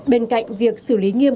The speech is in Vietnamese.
bên cạnh việc xử lý nghiêm